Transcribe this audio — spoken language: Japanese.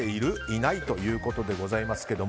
いない？ということです。